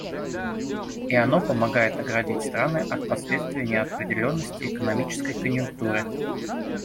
И оно помогает оградить страны от последствий неопределенности экономической конъюнктуры.